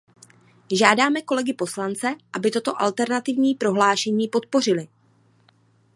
Žádáme kolegy poslance, aby toto alternativní prohlášení podpořili.